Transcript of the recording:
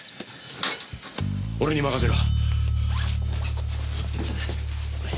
俺に任せろ。